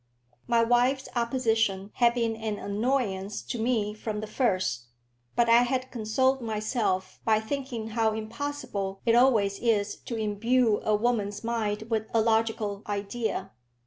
My wife's opposition had been an annoyance to me from the first, but I had consoled myself by thinking how impossible it always is to imbue a woman's mind with a logical idea.